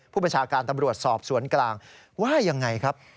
ผู้บัญชาการตำรวจสอบสวนกลางว่ายังไงครับ